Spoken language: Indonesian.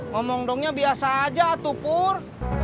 ngomong dongnya biasa aja tupur